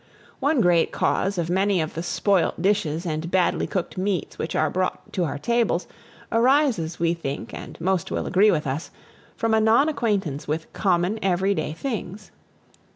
One great cause of many of the spoilt dishes and badly cooked meats which are brought to our tables, arises, we think, and most will agree with us, from a non acquaintance with "common, every day things."